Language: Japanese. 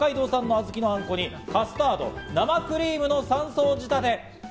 北海道さんのあずきのあんこに、カスタード、生クリームの３層仕立て。